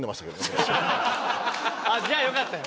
じゃあよかったよ。